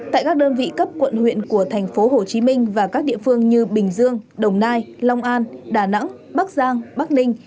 tại các đơn vị cấp quận huyện của thành phố hồ chí minh và các địa phương như bình dương đồng nai long an đà nẵng bắc giang bắc ninh